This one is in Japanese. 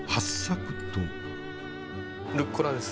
ルッコラです。